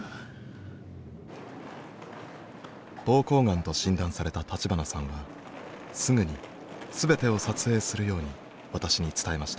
膀胱がんと診断された立花さんはすぐに全てを撮影するように私に伝えました。